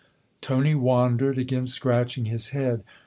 " Tony wandered, again scratching his head.